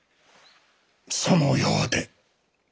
そのようで。